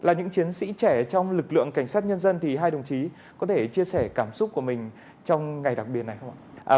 là những chiến sĩ trẻ trong lực lượng cảnh sát nhân dân thì hai đồng chí có thể chia sẻ cảm xúc của mình trong ngày đặc biệt này không ạ